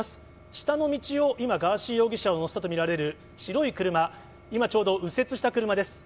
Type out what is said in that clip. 下の道を今、ガーシー容疑者を乗せたと見られる白い車、今、ちょうど右折した車です。